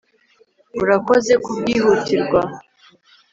Urakoze kubwihutirwa